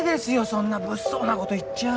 そんな物騒なこと言っちゃ。